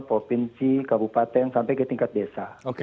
provinsi kabupaten sampai ke tingkat desa